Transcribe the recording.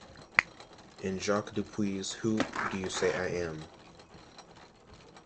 In Jacques Dupuis' Who Do You Say I Am?